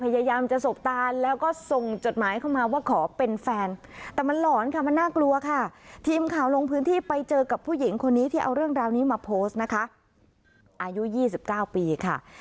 คนนี้ที่เอาเรื่องราวนี้มาโพสต์นะคะอายุยี่สิบเก้าปีค่ะ